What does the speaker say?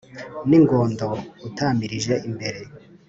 N'Ingondo utamirije imbere